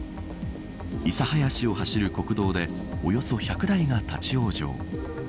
諫早市を走る国道でおよそ１００台が立ち往生。